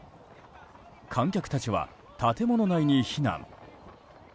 観客たちは、建物内に避難。